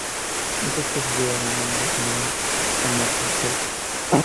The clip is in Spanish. Esta especie lleva el nombre en honor a Martin Holtz.